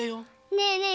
ねえねえ